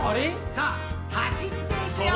「さあ走っていくよー！」